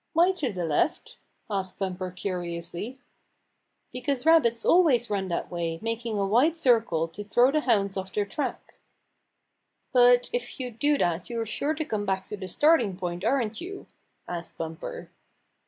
"Why to the left?" asked Bumper curiously. "Because rabbits always run that way, mak 14 Bumper Hunts With the Pack ing a wide circle to throw the hounds off their track." '' But if you do that you're sure to come back to the starting point, aren't you?" asked Bumper.